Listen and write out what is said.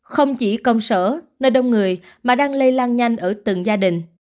không chỉ công sở nơi đông người mà đang lây lan nhanh ở từng gia đình